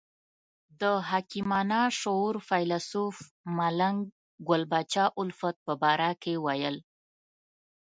د حکیمانه شعور فیلسوف ملنګ ګل پاچا الفت په باره کې ویل.